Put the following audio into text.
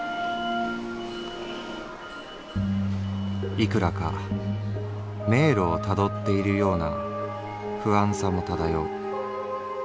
「いくらか迷路を辿っているような不安さも漂う。